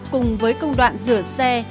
cùng với công đoạn rửa xe